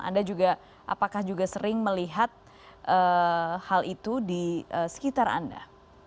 apakah anda juga sering melihat hal itu di sekitar anda